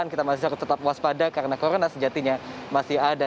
dan kita masih harus tetap waspada karena corona sejatinya masih ada